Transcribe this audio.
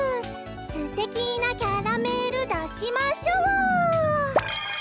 「すてきなキャラメルだしましょう！」